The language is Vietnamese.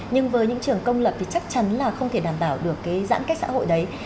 nhưng với những trường công lập thì chắc chắn là không thể đảm bảo được cái giãn cách xã hội đấy